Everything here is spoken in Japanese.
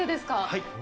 はい。